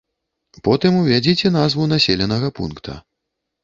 Потым увядзіце назву населенага пункта.